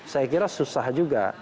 saya kira susah juga